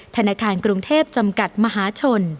ธนาคารกรุงเทพจำกัดมหาชน